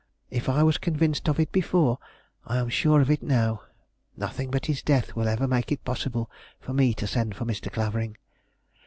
If I was convinced of it before, I am sure of it now. Nothing but his death will ever make it possible for me to send for Mr. Clavering."